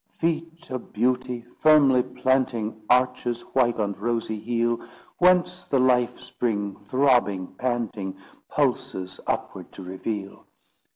Feet of beauty, firmly planting Arches white on rosy heel! Whence the life spring, throbbing, panting, Pulses upward to reveal!